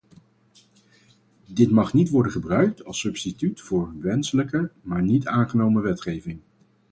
Dit mag niet worden gebruikt als substituut voor wenselijke, maar niet aangenomen wetgeving.